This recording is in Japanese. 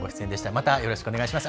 またよろしくお願いします。